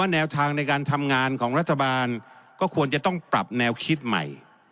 แนวทางในการทำงานของรัฐบาลก็ควรจะต้องปรับแนวคิดใหม่